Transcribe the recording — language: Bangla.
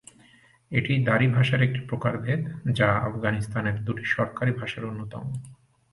এটি দারি ভাষার একটি প্রকারভেদ, যা আফগানিস্তানের দুটি সরকারি ভাষার অন্যতম।